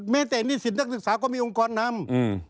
ไม่แต่นิสินนักศึกษาก็มีองค์กรนำ